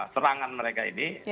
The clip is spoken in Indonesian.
serangan mereka ini